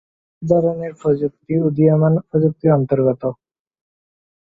বিভিন্ন ধরনের প্রযুক্তি উদীয়মান প্রযুক্তির অন্তর্গত।